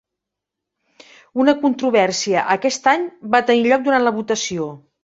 Una controvèrsia aquest any va tenir lloc durant la votació.